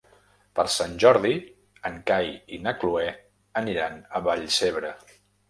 Per Sant Jordi en Cai i na Cloè aniran a Vallcebre.